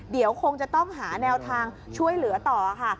เดี๋ยวคงจะต้องหาแนวทางช่วยเหลือต่อค่ะ